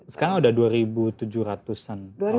sekarang udah dua ribu tujuh ratus an